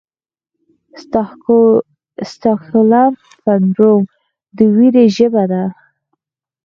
سټاکهولم سنډروم د ویرې ژبه ده.